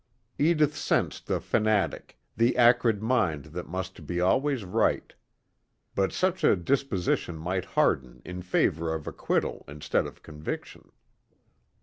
Edith sensed the fanatic, the acrid mind that must be always right. But such a disposition might harden in favor of acquittal instead of conviction.